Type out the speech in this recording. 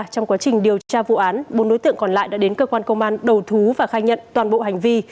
trong quá trình điều tra vụ án bốn đối tượng còn lại đã đến cơ quan công an đầu thú và khai nhận toàn bộ hành vi